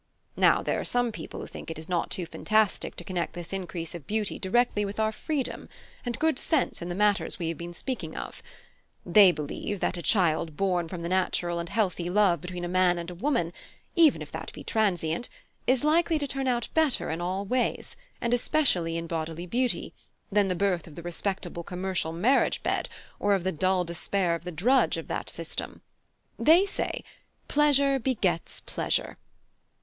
Now, there are some people who think it not too fantastic to connect this increase of beauty directly with our freedom and good sense in the matters we have been speaking of: they believe that a child born from the natural and healthy love between a man and a woman, even if that be transient, is likely to turn out better in all ways, and especially in bodily beauty, than the birth of the respectable commercial marriage bed, or of the dull despair of the drudge of that system. They say, Pleasure begets pleasure.